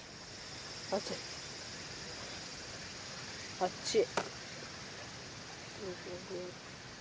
あっちい。